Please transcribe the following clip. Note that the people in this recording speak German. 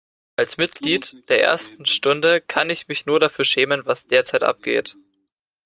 Als Mitglied der ersten Stunde kann ich mich nur dafür schämen, was derzeit abgeht.